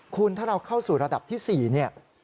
คุณถ้าเราเข้าสู่ระดับที่๔เนี่ย